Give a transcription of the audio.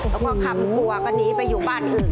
แล้วก็คำบัวก็หนีไปอยู่บ้านอื่น